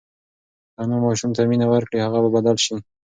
که انا ماشوم ته مینه ورکړي، هغه به بدل شي.